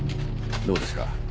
どうですか？